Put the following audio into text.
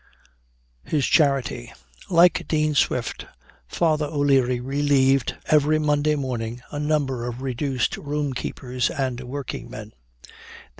HIS CHARITY. Like Dean Swift, Father O'Leary relieved, every Monday morning, a number of reduced roomkeepers and working men.